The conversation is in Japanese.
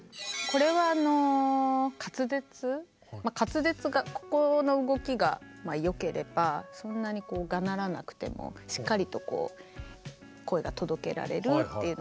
これは滑舌滑舌がここの動きがよければそんなにがならなくてもしっかりとこう声が届けられるっていう。